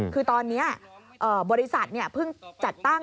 คือตอนนี้บริษัทเพิ่งจัดตั้ง